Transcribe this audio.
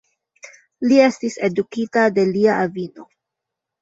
Li estis edukita de lia avino.